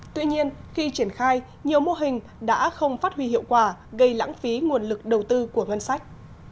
tuy nhiên khi triển khai nhiều mô hình đã không phát huy hiệu quả gây lãng phí nguồn lực đầu tư của ngân sách